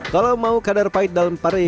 kalau mau kadar pahit dalam pare